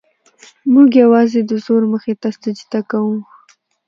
موږ یوازې د زور مخې ته سجده کوو.